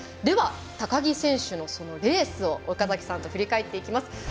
高木選手のレースを岡崎さんと振り返っていきます。